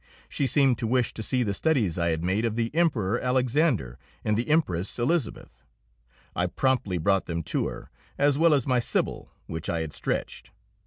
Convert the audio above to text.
She seemed to wish to see the studies I had made of the Emperor Alexander and the Empress Elizabeth; I promptly brought them to her, as well as my "Sibyl," which I had stretched.